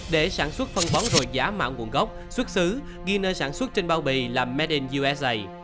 để sản xuất phân bón rồi giá mạng nguồn gốc xuất xứ ghi nơi sản xuất trên bao bì là made in usa